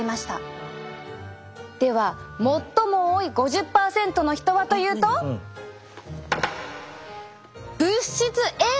では最も多い５０％の人はというと物質Ａが不足！